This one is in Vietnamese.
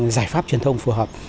giải pháp truyền thông phù hợp